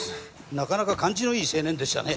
なかなか感じのいい青年でしたね。